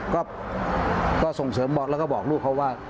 ก็ส่งเสริมบอกแล้วก็บอกลูกเขาว่า